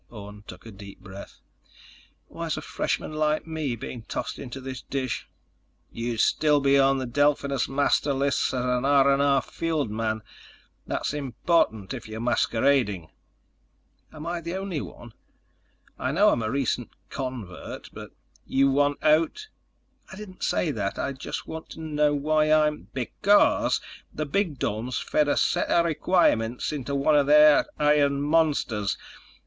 Orne took a deep breath. "Why's a freshman like me being tossed into this dish?" "You'd still be on the Delphinus master lists as an R&R field man. That's important if you're masquerading." "Am I the only one? I know I'm a recent convert, but—" "You want out?" "I didn't say that. I just want to know why I'm—" "Because the bigdomes fed a set of requirements into one of their iron monsters.